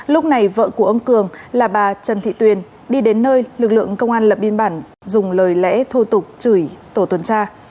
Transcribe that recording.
lúc này vợ của ông cường là bà trần thị tuyền đi đến nơi lực lượng công an lập biên bản dùng lời lẽ thô tục chửi tổ tuần tra